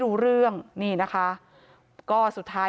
ความปลอดภัยของนายอภิรักษ์และครอบครัวด้วยซ้ำ